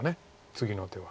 次の手は。